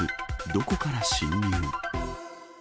どこから侵入？